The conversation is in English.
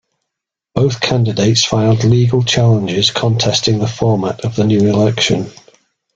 Both candidates filed legal challenges contesting the format of the new election.